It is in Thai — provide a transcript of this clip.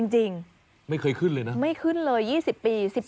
จริงไม่เคยขึ้นเลยนะไม่ขึ้นเลย๒๐ปี